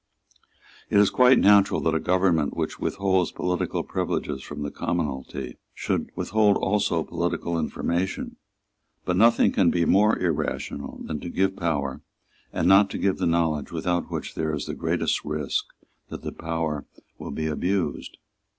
It is quite natural that a government which withholds political privileges from the commonalty should withhold also political information. But nothing can be more irrational than to give power, and not to give the knowledge without which there is the greatest risk that power will be abused.